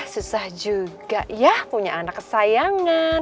susah juga ya punya anak kesayangan